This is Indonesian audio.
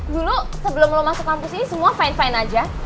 dulu sebelum lo masuk kampus ini semua fine fine aja